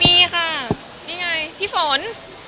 มีค่ะนี่ไงพี่ฝน